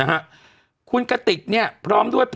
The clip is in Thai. นะครับคุณกะติกเนี่ยพร้อมด้วย